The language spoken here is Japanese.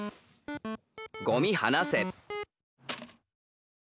「ゴミはなせ」。